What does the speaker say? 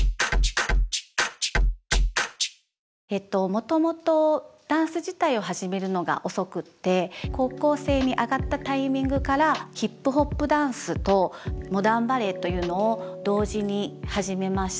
もともとダンス自体を始めるのが遅くて高校生に上がったタイミングからヒップホップダンスとモダンバレエというのを同時に始めました。